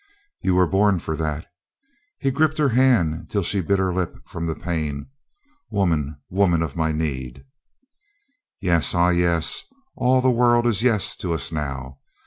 "You are born for that." He gripped her hand till she bit her lip for the pain. "Woman, woman of my need." "Yes! Ah, yes! All the world is yes to us now.